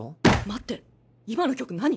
待って今の曲何？